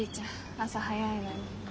朝早いのに。